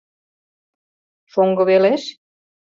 Шоҥго велеш?